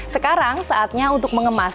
sekarang saatnya untuk mengemas